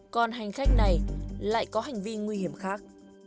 còn hành khách này lại có hành vi nguy hiểm khác